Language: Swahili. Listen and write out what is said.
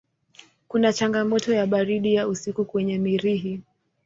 Kuna changamoto ya baridi ya usiku kwenye Mirihi.